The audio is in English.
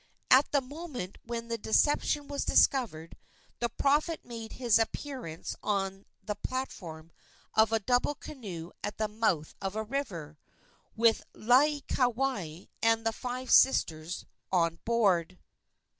At the moment when the deception was discovered the prophet made his appearance on the platform of a double canoe at the mouth of the river, with Laieikawai and the five sisters on board.